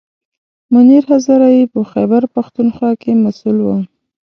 منیر هزاروي په خیبر پښتونخوا کې مسوول و.